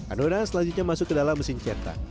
adonan selanjutnya masuk ke dalam mesin cetak